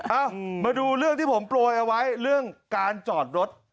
เอ้ามาดูเรื่องที่ผมโปรยเอาไว้เรื่องการจอดรถ